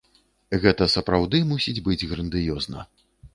Гэта сапраўды мусіць быць грандыёзна!